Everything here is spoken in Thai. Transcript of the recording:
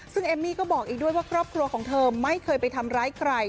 ซึ่งเอมมี่ก็บอกอีกด้วยว่าครอบครัวของเธอไม่เคยไปทำร้ายใคร